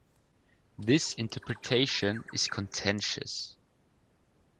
This interpretation is contentious.